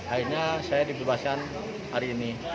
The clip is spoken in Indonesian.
akhirnya saya dibebaskan hari ini